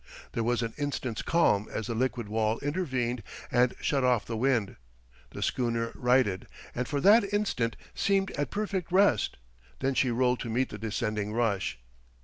There was an instant's calm as the liquid wall intervened and shut off the wind. The schooner righted, and for that instant seemed at perfect rest. Then she rolled to meet the descending rush.